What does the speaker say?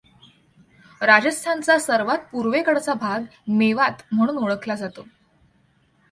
राजस्थानचा सर्वात पूर्वेकडचा भाग मेवात म्हणून ओळखला जातो.